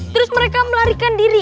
terus mereka melarikan diri